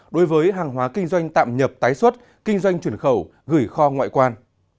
đối với hàng hóa kinh doanh tạm nhập tái xuất kinh doanh chuyển khẩu gửi kho ngoại quan